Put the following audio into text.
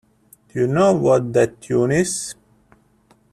Do you know what that tune is?